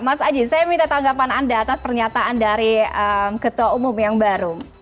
mas aji saya minta tanggapan anda atas pernyataan dari ketua umum yang baru